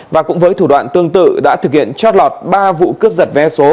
và cũng với thủ đoạn tương tự đã thực hiện chót lọt ba vụ cướp giật vé số